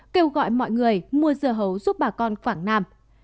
kêu gọi mọi người mua dưa hấu giúp bà con quảng nam